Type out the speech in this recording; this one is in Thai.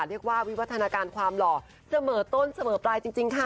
วิวัฒนาการความหล่อเสมอต้นเสมอปลายจริงค่ะ